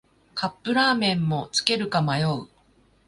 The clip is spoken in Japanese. カップラーメンもつけるか迷う